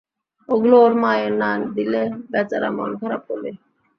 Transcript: ওগুলো ওর মায়ের না দিলে বেচারা মন খারাপ করবে!